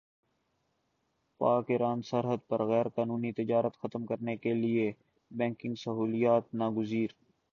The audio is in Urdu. پاک ایران سرحد پر غیرقانونی تجارت ختم کرنے کیلئے بینکنگ سہولیات ناگزیر